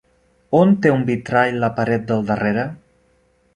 On té un vitrall la paret del darrere?